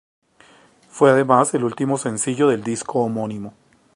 Fue además el último sencillo del disco homónimo.